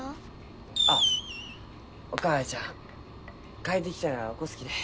あっお母ちゃん帰ってきたら起こすきね。